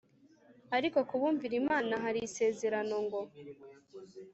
Ariko ku bumvira Imana hari isezerano ngo